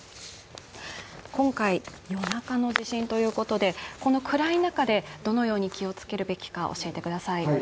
今回、夜中の地震ということでこの暗い中でどのように気を付けるべきか教えてください。